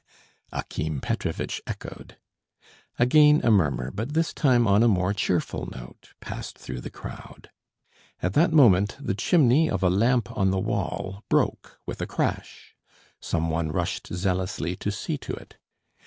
Akim Petrovitch echoed. Again a murmur, but this time on a more cheerful note, passed through the crowd. At that moment the chimney of a lamp on the wall broke with a crash. Some one rushed zealously to see to it.